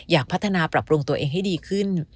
อยากพัฒนาปรับปรุงตัวเองให้ดีขึ้น